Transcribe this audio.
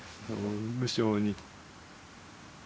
無性に。